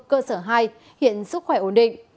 cơ sở hai hiện sức khỏe ổn định